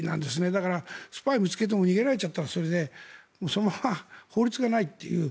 だから、スパイを見つけても逃げられちゃったらそれで、そのまま法律がないっていう。